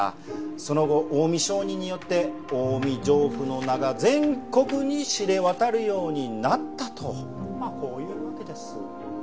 その後近江商人によって近江上布の名が全国に知れ渡るようになったとまあこういうわけです。